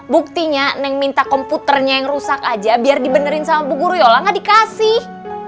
buktinya neng minta komputernya yang rusak aja biar dibenerin sama bu guru yola gak dikasih